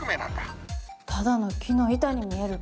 ただの木の板に見えるけど。